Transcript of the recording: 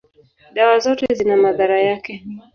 dawa zote zina madhara yake.